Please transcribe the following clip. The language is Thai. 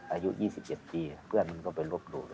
อายุ๒๗ปีเพื่อนมันก็ไปลบหลู่